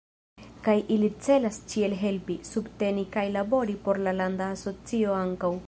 Kaj ili celas ĉiel helpi, subteni kaj labori por la landa asocio ankaŭ.